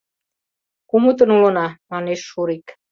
Кумытын улына, — манеш Шурик.